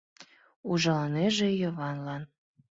Ужалынеже Йыванлан.